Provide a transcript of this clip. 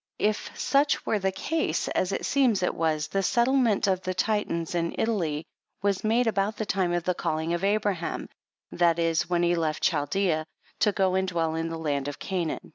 If such were the case, as it seems it was, the settlement of the Titans in Italy was made about the time of the calling of Abraham, that is, when he left Chaldea, to go and dwell in the land of Canaan."